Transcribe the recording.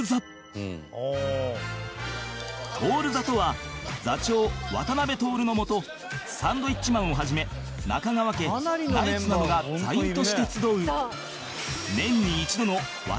徹座とは座長渡辺徹のもとサンドウィッチマンを始め中川家ナイツなどが座員として集う